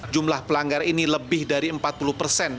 jumlah pelanggar ini lebih dari empat puluh persen